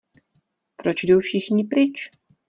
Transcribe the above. Proč jdou všichni pryč?